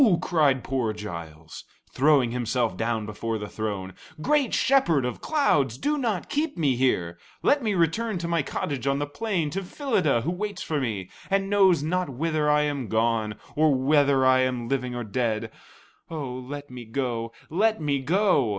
cried poor Giles, throwing himself down before the throne. "Great Shepherd of Clouds, do not keep me here. Let me return to my cottage on the plain, to Phyllida who waits for me, and knows not whither I am gone or whether I am living or dead. Oh, let me go, let me go!"